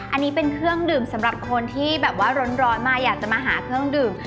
อันนี้เป็นเครื่องดื่มสำหรับคนที่แบบว่าร้อนมาอยากจะมาหาเครื่องดื่ม